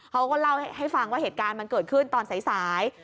เขาก็เล่าให้ฟังว่าเหตุการณ์มันเกิดขึ้นตอนสาย